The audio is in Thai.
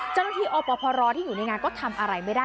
เจ้าหน้าที่อพรที่อยู่ในงานก็ทำอะไรไม่ได้